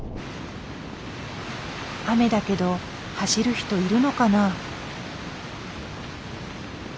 雨だけど走る人いるのかな？